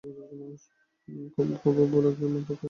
খুবই ভুল একজন লোককে।